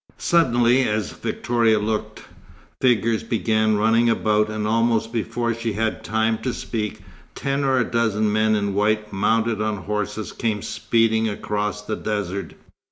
Suddenly, as Victoria looked, figures began running about, and almost before she had time to speak, ten or a dozen men in white, mounted on horses, came speeding across the desert.